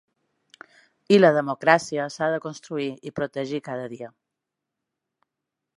I la democràcia s’ha de construir i protegir cada dia.